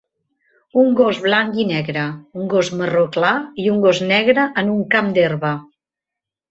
Un gos blanc i negre, un gos marró clar i un gos negre en un camp d'herba.